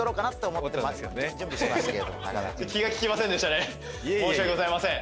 いえいえ申し訳ございません